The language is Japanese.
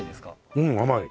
うん甘い。